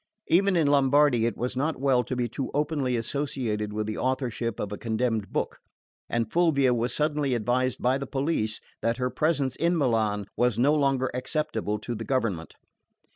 Even in Lombardy it was not well to be too openly associated with the authorship of a condemned book; and Fulvia was suddenly advised by the police that her presence in Milan was no longer acceptable to the government.